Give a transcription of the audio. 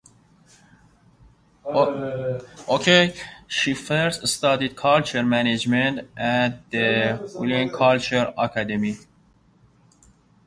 She first studied cultural management at the Viljandi Culture Academy.